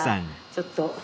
ちょっと。